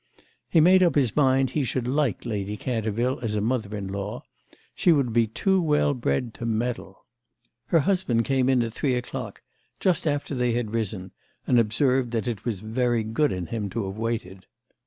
He made up his mind he should like Lady Canterville as a mother in law; she would be too well bred to meddle. Her husband came in at three o'clock, just after they had risen, and observed that it was very good in him to have waited.